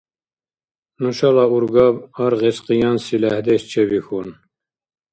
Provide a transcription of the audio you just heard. Нушала ургаб аргъес къиянси лехӀдеш чебихьун.